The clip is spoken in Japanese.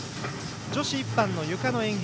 女子１班のゆかの演技